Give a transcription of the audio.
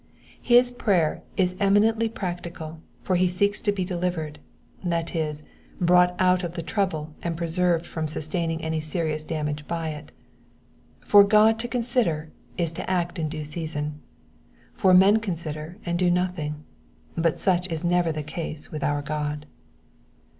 His prayer is eminently practical, for he seeks to be delivered ; that is, brought out of the trouble and pre> served from sustaining any serious damage by it. For Qod to consider is to act in due season : jnen consider and do nothing ; but such is never the case with our Qod.